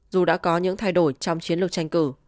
dù đã có những thay đổi trong chiến lược tranh cử